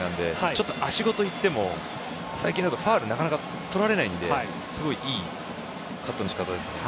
ちょっと足ごと行っても最近だとファウルはなかなかとられないのですごくいいカットの仕方ですね。